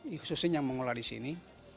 yang khususnya mengolah di sini